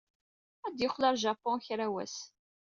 Ad yeqqel ɣer Japun kra n wass.